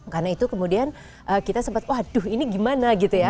karena itu kemudian kita sempat waduh ini gimana gitu ya